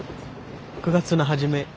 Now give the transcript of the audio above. ９月の初め。